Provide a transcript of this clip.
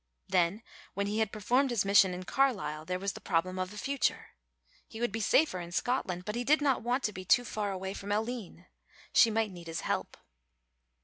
Then when he had performed his mission in Carlisle there was the problem of the future. He would be safer in Scotland, but he did not want to be too far away from Aline. She might need his help.